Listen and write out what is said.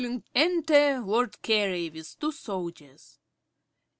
_) Enter Lord Carey _with two soldiers.